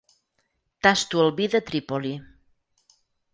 Tasto el vi de Trípoli.